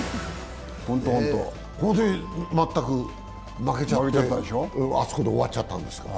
これで、全く負けちゃってあそこで終わっちゃったんですから。